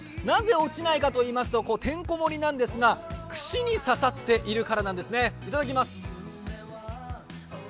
なぜ落ちないかといいますとてんこ盛りなんですが、串に刺さっているからなんです、いただきます。